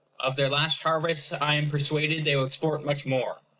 Of their last harvest I am persuaded they will export much more.